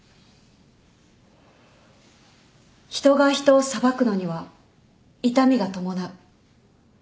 人が人を裁くのには痛みが伴う。